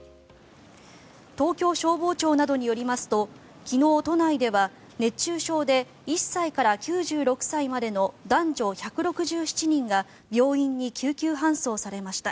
東京消防庁などによりますと昨日、都内では熱中症で１歳から９６歳までの男女１６７人が病院に救急搬送されました。